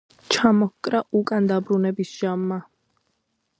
ჩამოჰკრა უკან დაბრუნების ჟამმა